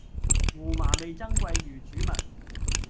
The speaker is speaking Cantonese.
胡麻味噌鮭魚煮物